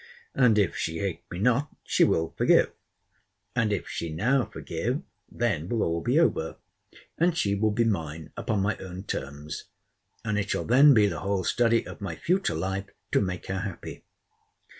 And, if she hate me not, she will forgive: and, if she now forgive, then will all be over; and she will be mine upon my own terms: and it shall then be the whole study of my future life to make her happy.